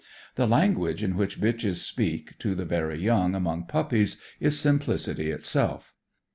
The language in which bitches speak to the very young among puppies is simplicity itself.